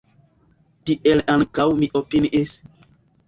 Tiel ankaŭ mi opiniis.